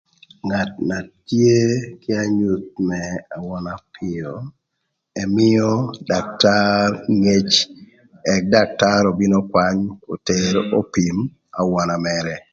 Ngat na tye kï anyuth më awöna öpïö, ëmïö daktar ngec ëk daktar obin ökwany oter opim awöna mërë.